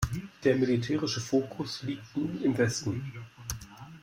Der militärische Fokus liegt nun im Westen.